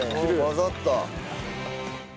混ざった。